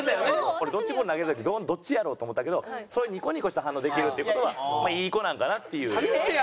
俺ドッジボール投げる時どっちやろう？と思ったけどそういうニコニコした反応できるっていう事はいい子なんかなっていう。